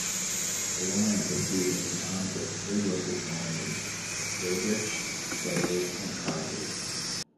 The lions appeared in the arms of three local families: Burgersh, Fellowes and Hardwick.